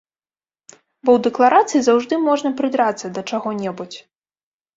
Бо ў дэкларацыі заўжды можна прыдрацца да чаго-небудзь.